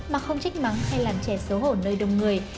mà không trích mắng hay làm trẻ xấu hổ nơi đông người